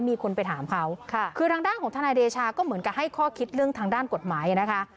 มีคนไปถามเขาค่ะคือทางด้านของทนายเดชาก็เหมือนกับให้ข้อคิดเรื่องทางด้านกฎหมายนะคะ